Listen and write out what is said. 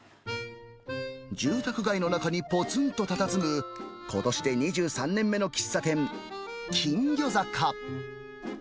住宅街の中にぽつんとたたずむ、ことしで２３年目の喫茶店、金魚坂。